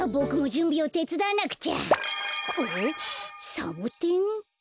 サボテン？